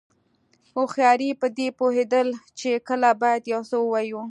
هوښیاري پدې پوهېدل دي چې کله باید یو څه ووایو.